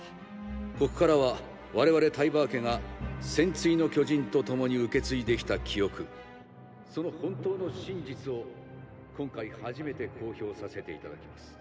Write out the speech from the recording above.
ここからは我々タイバー家が「戦鎚の巨人」と共に受け継いできた記憶その本当の真実を今回初めて公表させていただきます。